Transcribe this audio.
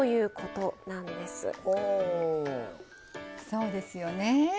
そうですよねえ。